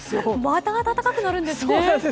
また暖かくなるんですね。